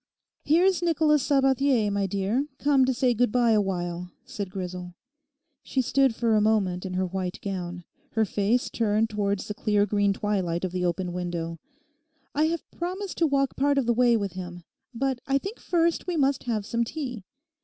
'Here's Nicholas Sabathier, my dear, come to say goodbye awhile,' said Grisel. She stood for a moment in her white gown, her face turned towards the clear green twilight of the open window. 'I have promised to walk part of the way with him. But I think first we must have some tea.